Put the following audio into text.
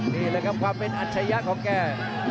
นี่แหละครับความเป็นอัจฉริยะของแก